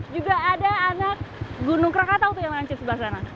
juga ada anak gunung krakatau yang lancis sebelah sana